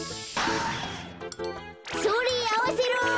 それあわせろ。